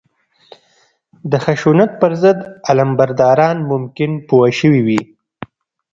د خشونت پر ضد علمبرداران ممکن پوه شوي وي